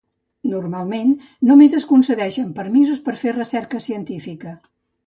Normalment només es concedeixen permisos per fer recerca científica.